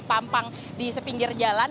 pampang di sepinggir jalan